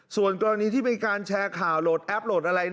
ส่วนกรณีที่มีการแชร์ข่าวโหลดแอปโหลดอะไร